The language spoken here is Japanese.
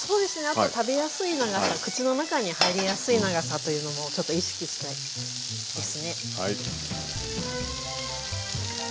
あと食べやすい長さ口の中に入りやすい長さというのもちょっと意識したいですね。